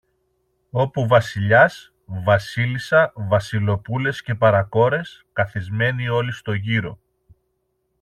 όπου Βασιλιάς, Βασίλισσα, Βασιλοπούλες και παρακόρες, καθισμένοι όλοι στο γύρο